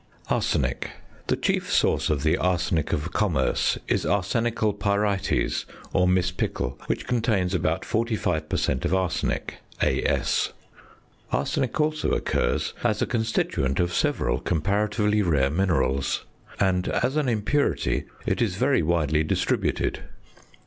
ARSENIC. The chief source of the arsenic of commerce is arsenical pyrites, or mispickel, which contains about 45 per cent. of arsenic (As). Arsenic also occurs as a constituent of several comparatively rare minerals; and, as an impurity, it is very widely distributed.